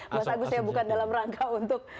mas agus ya bukan dalam rangka untuk